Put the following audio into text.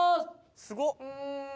すごっ！